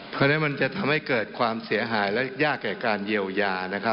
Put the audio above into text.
เพราะฉะนั้นมันจะทำให้เกิดความเสียหายและยากแก่การเยียวยา